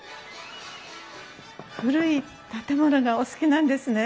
古い建物がお好きなんですね？